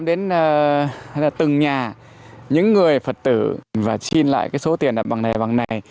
nói đến từng nhà những người phật tử và xin lại cái số tiền là bằng này bằng này